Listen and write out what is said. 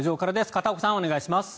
片岡さん、お願いします。